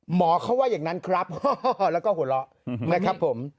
หมอเขาว่าอย่างนั้นครับแล้วก็หัวเราะนะครับผม